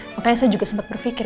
makanya saya juga sempat berpikir